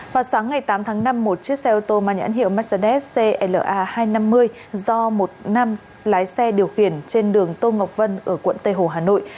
vào sáng ngày tám tháng năm một chiếc xe ô tô mang nhãn hiệu mercedes cla hai trăm năm mươi do một nam lái xe điều khiển trên đường tô ngọc vân ở quận tây hồ hà nội